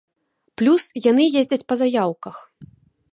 Плюс, яны ездзяць па заяўках.